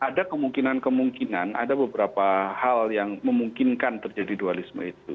ada kemungkinan kemungkinan ada beberapa hal yang memungkinkan terjadi dualisme itu